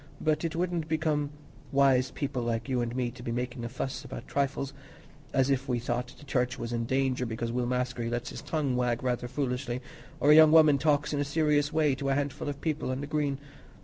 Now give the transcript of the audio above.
But it wouldn't become wise people like you and me to be making a fuss about trifles, as if we thought the Church was in danger because Will Maskery lets his tongue wag rather foolishly, or a young woman talks in a serious way to a handful of people on the Green.